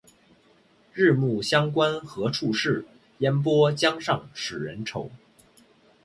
日暮乡关何处是？烟波江上使人愁。